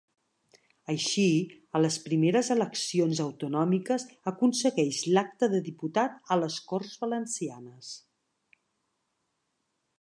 Així, a les primeres eleccions autonòmiques aconsegueix l'acta de diputat a les Corts Valencianes.